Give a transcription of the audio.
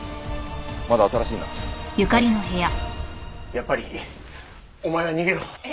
やっぱりお前は逃げろ。え？